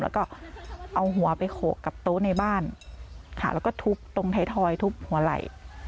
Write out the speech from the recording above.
แล้วก็เอาหัวไปโขกกับโต๊ะในบ้านค่ะแล้วก็ทุบตรงไทยทอยทุบหัวไหล่